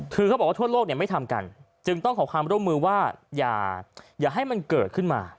คือเขาบอกว่าทั่วโลกไม่ทำกันจึงต้องขอความร่วมมือว่าอย่าให้มันเกิดขึ้นมา